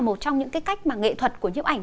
một trong những cái cách mà nghệ thuật của nhiếp ảnh